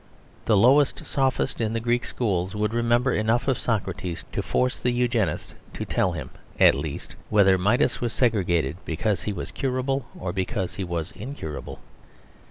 The lowest sophist in the Greek schools would remember enough of Socrates to force the Eugenist to tell him (at least) whether Midias was segregated because he was curable or because he was incurable.